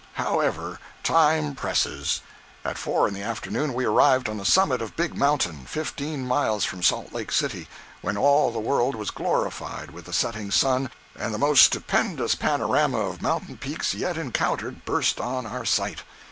However, time presses. At four in the afternoon we arrived on the summit of Big Mountain, fifteen miles from Salt Lake City, when all the world was glorified with the setting sun, and the most stupendous panorama of mountain peaks yet encountered burst on our sight.